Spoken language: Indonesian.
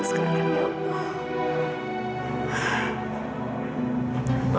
jadi kalau jangan lagi getar tempat saya